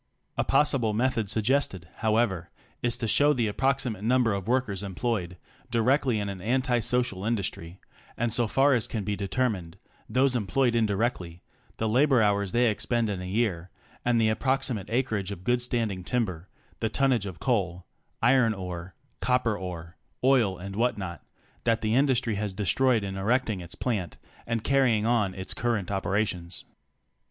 A possible method suggested, however, is to show the ap proximate number of workers employed directly in an anti social industry, and so far as can be determined, those em ployed indirectly; the labor hours they expend in a year; and the approximate acreage of good standing timber, the tonnage of coal, iron ore, copper ore, oil and what not, that the industry has destroyed in erecting its plant and carrying on its current operations.